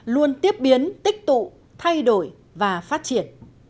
luôn tiếp biến tích tụ thay đổi và phát triển